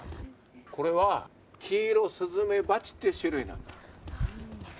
これはキイロスズメバチって種類なんだ。